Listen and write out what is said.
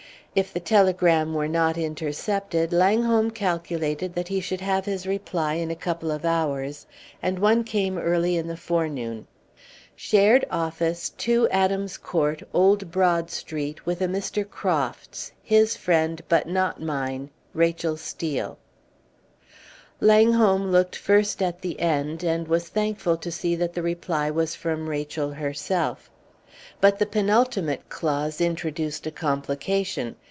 If the telegram were not intercepted, Langholm calculated that he should have his reply in a couple of hours, and one came early in the forenoon: "Shared office 2 Adam's Court Old Broad Street with a Mr. Crofts his friend but not mine Rachel Steel." Langholm looked first at the end, and was thankful to see that the reply was from Rachel herself. But the penultimate clause introduced a complication.